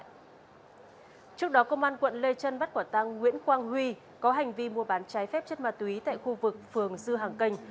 trước đó công an quận lê trân bắt quả tăng nguyễn quang huy có hành vi mua bán trái phép chất ma túy tại khu vực phường dư hàng canh